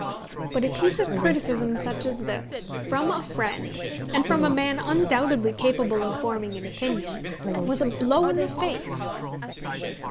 But a piece of criticism such as this, from a friend, and from a man undoubtedly capable of forming an opinion, was a blow in the face!